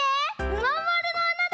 まんまるのあなだ！